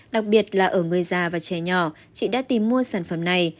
đặc biệt là ở người già và trẻ nhỏ chị đã tìm mua sản phẩm này